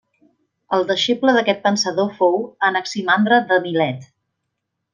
El deixeble d'aquest pensador fou, Anaximandre de Milet.